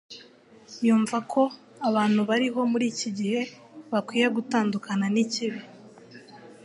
yumva ko abantu bariho muri iki gihe bakwiye gutandukana nikibi